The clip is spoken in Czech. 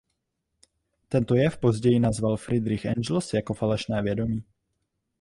Tento jev později nazval Friedrich Engels jako falešné vědomí.